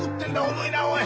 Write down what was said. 重いなおい！